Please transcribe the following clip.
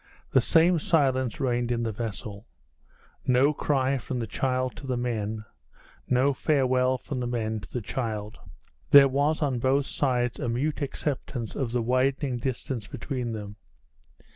The same silence reigned in the vessel. No cry from the child to the men no farewell from the men to the child. There was on both sides a mute acceptance of the widening distance between them.